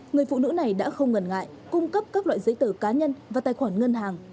người phụ nữ này đã không ngần ngại cung cấp các loại giấy tờ cá nhân và tài khoản ngân hàng